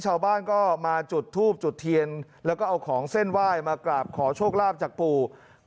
ชาวบ้านก็มาจุดทูบจุดเทียนแล้วก็เอาของเส้นไหว้มากราบขอโชคลาภจากปู่